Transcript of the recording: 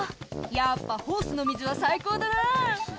やっぱホースの水は最高だな。